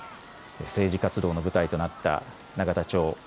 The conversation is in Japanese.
政治活動の舞台となった永田町。